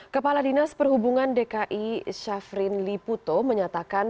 kepala dinas perhubungan dki syafrin liputo menyatakan